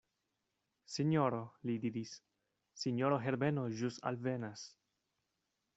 Sinjoro, li diris, sinjoro Herbeno ĵus alvenas.